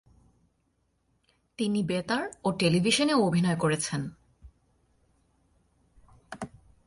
তিনি বেতার ও টেলিভিশনেও অভিনয় করেছেন।